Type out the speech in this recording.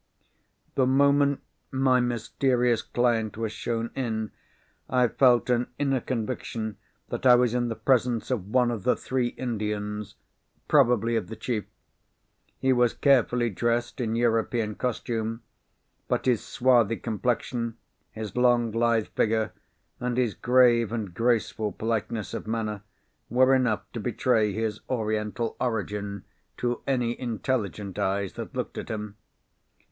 The moment my mysterious client was shown in, I felt an inner conviction that I was in the presence of one of the three Indians—probably of the chief. He was carefully dressed in European costume. But his swarthy complexion, his long lithe figure, and his grave and graceful politeness of manner were enough to betray his Oriental origin to any intelligent eyes that looked at him.